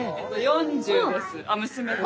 ４０です。